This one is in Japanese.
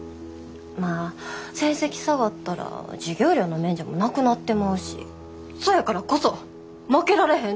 まあ成績下がったら授業料の免除もなくなってまうしそやからこそ負けられへんって思うねん。